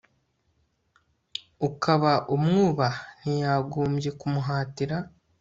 ukaba umwubaha ntiwagombye kumuhatira